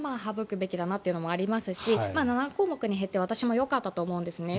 まず無駄は省くべきだなというのもありますし７項目に減って私もよかったと思うんですね。